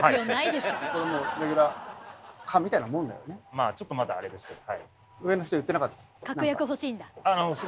まあちょっとまだあれですけど。